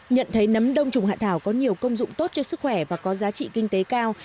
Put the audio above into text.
nhận thấy nấm đông trùng hạ thảo có nhiều công dụng tốt cho sức khỏe và có giá trị kinh tế cao